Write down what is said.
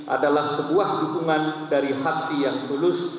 adalah sebuah dukungan dari hati yang tulus